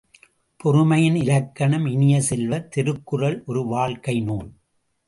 பொறுமையின் இலக்கணம் இனிய செல்வ, திருக்குறள் ஒரு வாழ்க்கை நூல்.